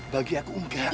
bagi aku enggak